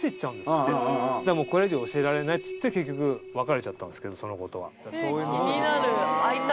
これ以上教えられないっつって結局別れちゃったんですけどその子とは。